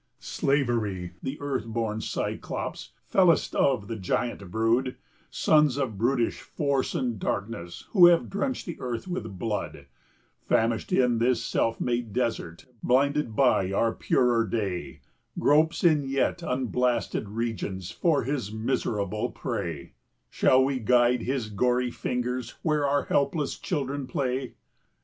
"] Slavery, the earth born Cyclops, fellest of the giant brood, Sons of brutish Force and Darkness, who have drenched the earth with blood, Famished in his self made desert, blinded by our purer day, Gropes in yet unblasted regions for his miserable prey; Shall we guide his gory fingers where our helpless children play?